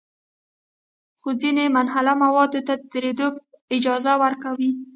خو ځینې منحله موادو ته د تېرېدو اجازه ورکوي.